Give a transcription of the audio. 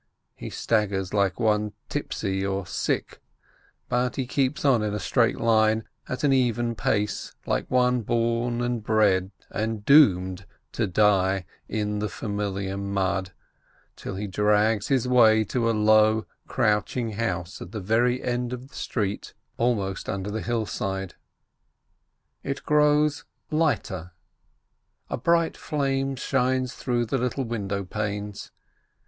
He staggers like one tipsy or sick, but he keeps on in a straight line, at an even pace, like one born and bred and doomed to die in the familiar mud, till he drags his way to a low, crouching house at the very end of the street, almost 212 LERNEK under the hillside. It grows lighter — a bright flame shines through the little window panes.